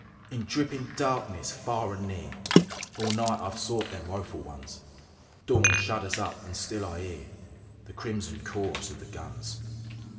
In drippin' darkness, far and near, All night I've sought them woeful ones. Dawn shudders up and still I 'ear The crimson chorus of the guns.